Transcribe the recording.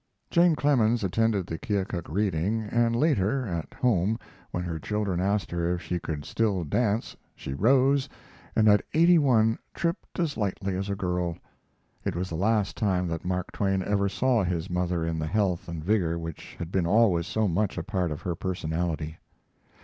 Jane Clemens attended the Keokuk reading, and later, at home, when her children asked her if she could still dance, she rose, and at eighty one tripped as lightly as a girl. It was the last time that Mark Twain ever saw his mother in the health and vigor which had been always so much a part of her personality.